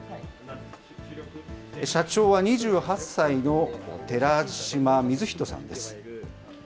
社長は２８歳の寺嶋瑞仁さんです。